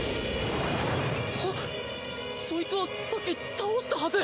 そいつはさっき倒したはず。